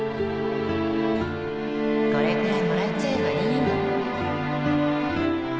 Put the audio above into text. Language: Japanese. これくらいもらっちゃえばいいの